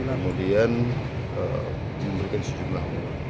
kemudian diberikan sejumlah uang